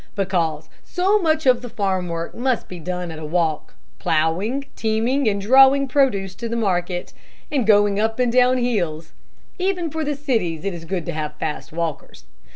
"Because so much of the farm work must be done at a walk. Ploughing, teaming, and drawing produce to market, and going up and down hills. Even for the cities it is good to have fast walkers.